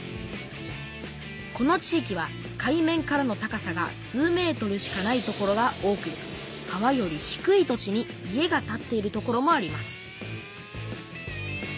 この地域は海面からの高さが数ｍしかない所が多く川より低い土地に家が建っている所もあります